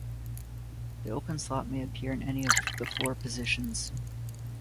The open slot may appear in any of the four positions.